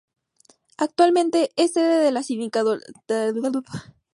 Actualmente es sede de la sindicatura Central, que forma parte del municipio de Ahome.